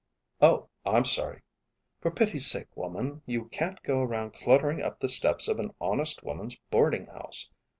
"Oh, I'm sorry." "For pity's sake, woman, you can't go around cluttering up the steps of an honest woman's boarding house.